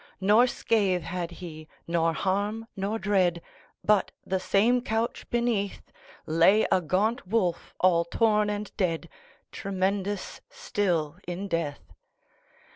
Nor scath had he, nor harm, nor dread, But, the same couch beneath, Lay a gaunt wolf, all torn and dead, Tremendous still in death.